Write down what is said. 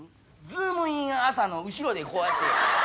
『ズームイン‼朝！』の後ろでこう。